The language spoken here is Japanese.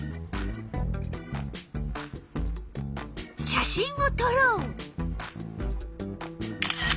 写真をとろう。